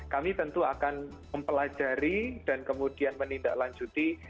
kami tentu akan mempelajari dan kemudian menindaklanjuti